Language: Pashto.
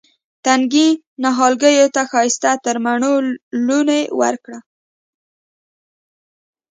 تنکي نهالګیو ته ښایسته ترمڼو لوڼې ورکړه